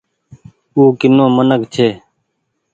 او ڪينو منک ڇي۔